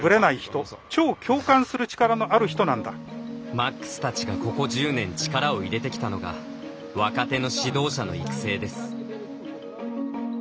マックスたちがここ１０年、力を入れてきたのが若手の指導者の育成です。